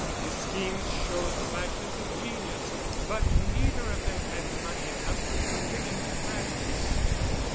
His schemes showed flashes of genius, but neither of them had money enough to put them into practice.